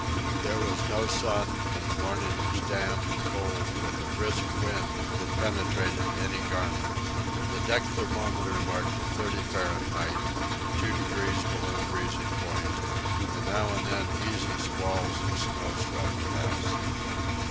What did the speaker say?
There was no sun, and the morning was damp and cold with a brisk wind that penetrated any garment. The deck thermometer marked 30—two degrees below freezing point; and now and then easy squalls of snow swept past.